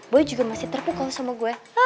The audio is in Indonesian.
boy juga masih terpukau sama gue